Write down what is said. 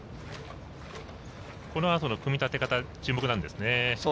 このあとの組み立て方注目なんですね。